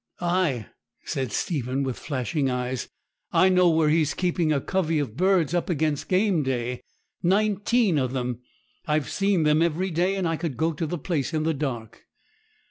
'Ay!' said Stephen, with flashing eyes; 'I know where he's keeping a covey of birds up against game day nineteen of them. I've seen them every day, and I could go to the place in the dark.'